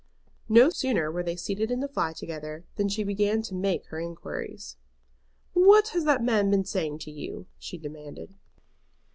No sooner were they seated in the fly together than she began to make her inquiries. "What has that man been saying to you?" she demanded.